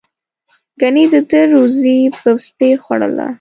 ګنې د ده روزي به سپي خوړله.